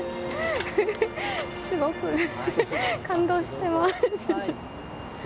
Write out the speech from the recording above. すごく感動してます。